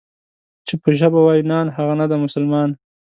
چې په ژبه وای نان، هغه نه دی مسلمان.